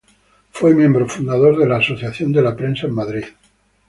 Fue miembro fundador de la Asociación de la Prensa en Madrid.